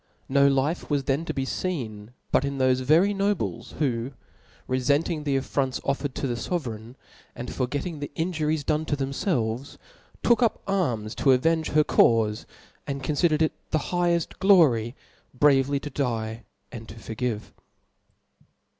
No life was then to be feen but in thofe very nobles, who refenting the affronts offered to the fovereign, and forgetting the inju ries done to themfclvcs, took up. arms to avenge her caufe, and confidered it as the higheft glory bravely ^o die and to forgive.